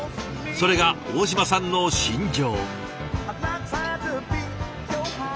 それが大嶋さんの信条。